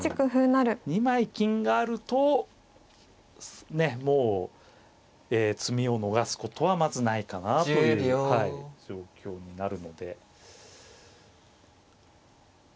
２枚金があるともう詰みを逃すことはまずないかなという状況になるので。